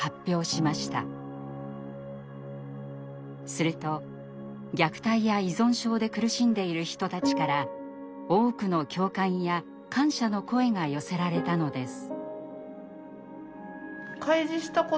すると虐待や依存症で苦しんでいる人たちから多くの共感や感謝の声が寄せられたのです。